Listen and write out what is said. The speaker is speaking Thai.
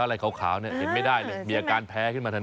อะไรขาวเนี่ยเห็นไม่ได้เลยมีอาการแพ้ขึ้นมาทันที